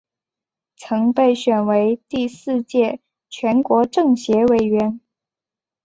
曾被选为第四届全国政协委员。